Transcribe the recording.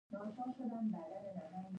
_ملک لالا، موږ بدي دار يو؟